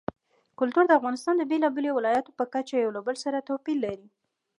کلتور د افغانستان د بېلابېلو ولایاتو په کچه یو له بل سره توپیر لري.